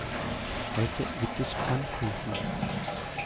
Heute gibt es Pfannkuchen.